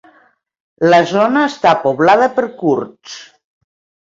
La zona està poblada per kurds.